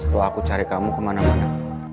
setelah aku cari kamu kemana mana